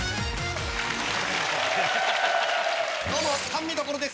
どうも甘味処です